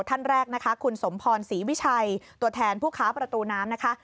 ท่านแรกนะคะคุณสมพรศรีวิชัยตัวแทนผู้ค้าประตูน้ำนะคะ